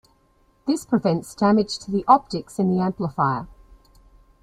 This prevents damage to the optics in the amplifier.